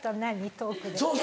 トークで。